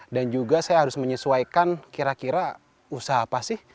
dan juga saya harus menyesuaikan kira kira usaha apa sih